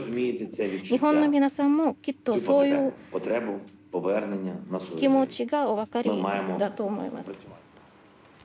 日本の皆さんも、きっとそういう気持ちがお分かりだと思います。